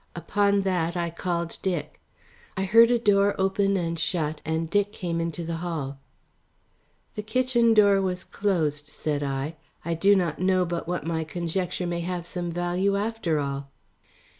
Upon that I called Dick. I heard a door open and shut, and Dick came into the hall. "The kitchen door was closed," said I, "I do not know but what my conjecture may have some value after all."